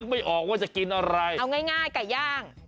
ไม่ออกว่าจะกินอะไรเอาง่ายไก่ย่าง